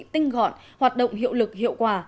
tinh gọn hoạt động hiệu lực hiệu quả